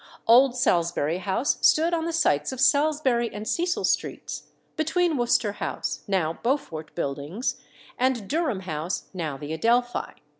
Old Salisbury House stood on the sites of Salisbury and Cecil Streets, between Worcester House, now Beaufort Buildings, and Durham House, now the Adelphi.